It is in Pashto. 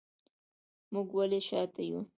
موږ ولې شاته یو